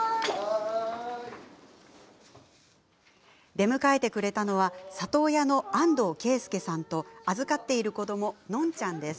出迎えてくれたのは里親の安藤恵介さんと預かっている子どものんちゃんです。